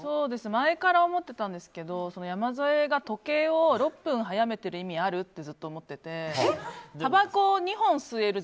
前から思ってたんですけど山添が時計を６分早めてる意味ある？ってずっと思っていてたばこを２本吸える